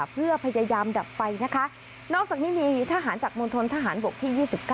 เพื่อพยายามดับไฟนะคะนอกจากนี้มีทหารจากมณฑนทหารบกที่๒๙